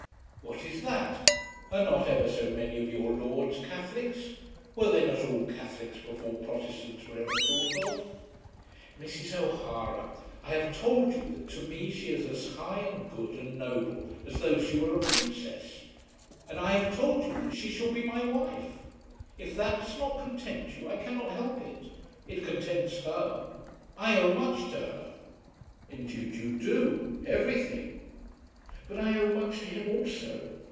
"What is that? Are not ever so many of your lords Catholics? Were they not all Catholics before Protestants were ever thought of?" "Mrs. O'Hara, I have told you that to me she is as high and good and noble as though she were a Princess. And I have told you that she shall be my wife. If that does not content you, I cannot help it. It contents her. I owe much to her." "Indeed you do; everything." "But I owe much to him also.